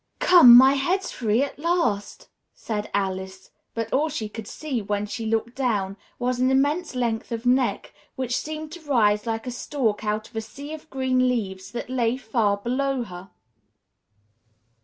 "Come, my head's free at last!" said Alice; but all she could see, when she looked down, was an immense length of neck, which seemed to rise like a stalk out of a sea of green leaves that lay far below her.